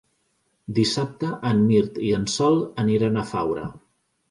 Dissabte en Mirt i en Sol aniran a Faura.